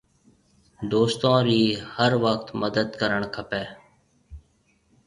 دوستون رِي هر وقت مدد ڪرڻ کپيَ۔